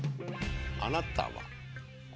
あなたは。